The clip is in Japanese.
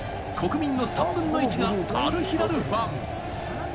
国民の３分の１がアルヒラルファン。